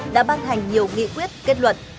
đã ban hành nhiều nghị quyết kết luận